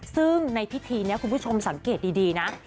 ซึ่งในพิธีนี้คุณผู้ชมสังเกตดีนะ